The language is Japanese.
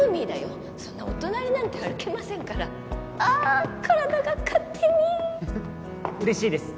そんなお隣なんて歩けませんからあ体が勝手に嬉しいです